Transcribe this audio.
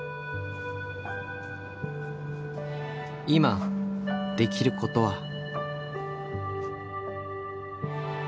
今できることは。